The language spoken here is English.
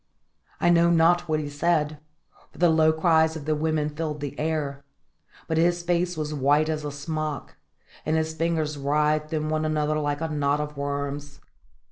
I know not what he said, for the low cries of the women filled the air; but his face was white as a smock, and his fingers writhed in one another like a knot of worms.